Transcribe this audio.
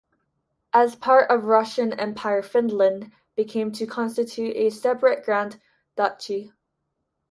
As part of Russian Empire Finland became to constitute a separate grand duchy.